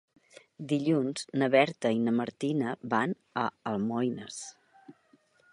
Dilluns na Berta i na Martina van a Almoines.